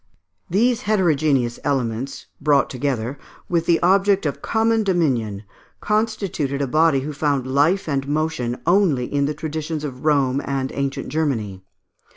These heterogeneous elements, brought together, with the object of common dominion, constituted a body who found life and motion only in the traditions of Rome and ancient Germany.